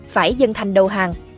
phải dân thành đầu hàng